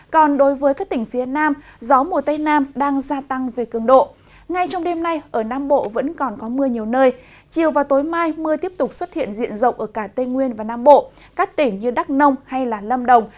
các mưa tiếp tục xuất hiện diện rộng ở cả tây nguyên và nam bộ các tỉnh như đắk nông hay là lâm đồng